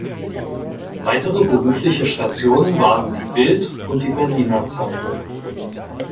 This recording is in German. Weitere berufliche Stationen waren die Bild und die Berliner Zeitung.